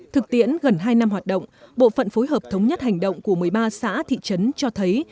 thực tiễn gần hai năm hoạt động bộ phận phối hợp thống nhất hành động của một mươi ba xã thị trấn cho thấy